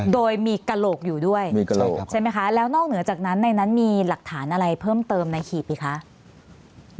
โดยมีกระโหลกอยู่ด้วยมีกระโหลกใช่ไหมคะแล้วนอกเหนือจากนั้นในนั้นมีหลักฐานอะไรเพิ่มเติมในหีบอีกคะ